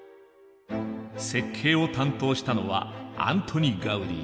設計を担当したのはアントニ・ガウディ。